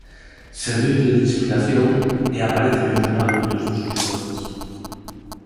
Serviulle de inspiración e aparece mencionado en moitos dos seus poemas.